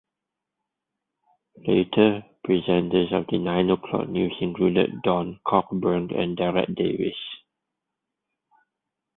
Later presenters of the "Nine O'Clock News" included Don Cockburn and Derek Davis.